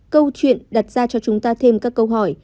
câu chuyện đặt ra cho chúng ta thêm các câu hỏi